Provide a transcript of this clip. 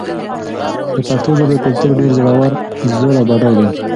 د پښتو ژبې کلتور ډېر زوړ او بډای دی.